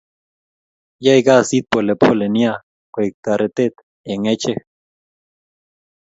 Yae kasit polepole nea koek taretet eng achek